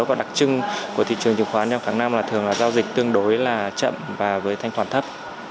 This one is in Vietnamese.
và đặc trưng của thị trường chứng khoán trong tháng năm là thường là giao dịch tương đối là chậm và với thanh khoản thấp